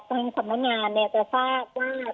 แต่การเป็นสำนักงานจะทราบว่า